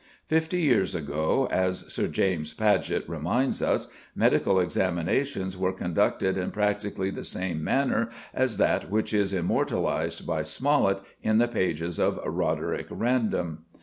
Fifty years ago, as Sir James Paget reminds us, medical examinations were conducted in practically the same manner as that which is immortalised by Smollett in the pages of "Roderick Random."